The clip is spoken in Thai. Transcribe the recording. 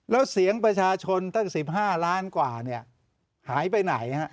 แล้วเสียงประชาชนตั้ง๑๕ล้านกว่าหายไปไหนฮะ